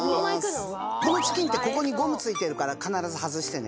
このチキンってここにゴムついてるから必ず外してね。